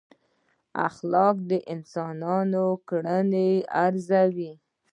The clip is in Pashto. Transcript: اخلاق د انسانانو کړنې ارزوي.